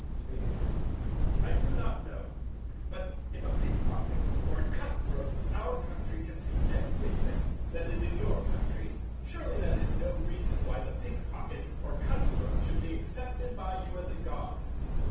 Sphere. I do not know. But, if a pick pocket or a cut throat of our country can see everything that is in your country, surely that is no reason why the pick pocket or cut throat should be accepted by you as a God.